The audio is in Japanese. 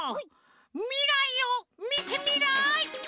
みらいをみてみらい！